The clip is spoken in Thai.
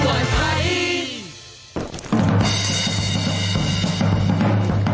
สับปัดถั่วไทย